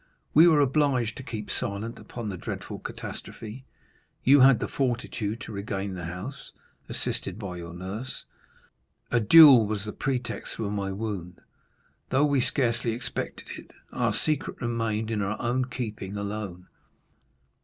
We were obliged to keep silent upon the dreadful catastrophe. You had the fortitude to regain the house, assisted by your nurse. A duel was the pretext for my wound. Though we scarcely expected it, our secret remained in our own keeping alone.